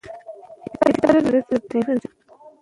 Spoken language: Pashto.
دا کتاب زموږ د کلتوري پوهې لپاره اړین دی.